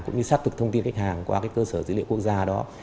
cũng như xác thực thông tin khách hàng qua cái cơ sở dữ liệu quốc gia đó